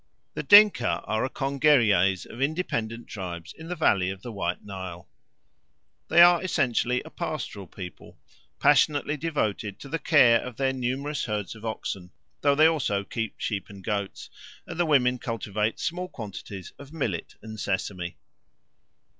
The Dinka are a congeries of independent tribes in the valley of the White Nile. They are essentially a pastoral people, passionately devoted to the care of their numerous herds of oxen, though they also keep sheep and goats, and the women cultivate small quantities of millet and sesame.